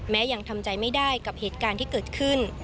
ยังทำใจไม่ได้กับเหตุการณ์ที่เกิดขึ้น